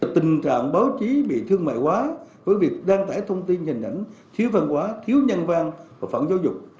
tình trạng báo chí bị thương mại quá với việc đăng tải thông tin hình ảnh thiếu văn hóa thiếu nhân văn và phẩm giáo dục